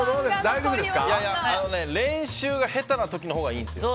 練習が下手な時のほうがいいんですよ。